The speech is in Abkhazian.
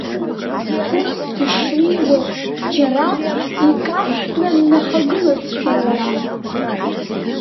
Ус дышнеиуаз џьара икаршәны, днахагылазшәа иара.